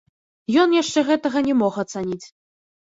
Ён яшчэ гэтага не мог ацаніць.